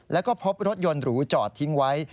แล้วก็พบรถยนต์หรูจอดทิ้งไว้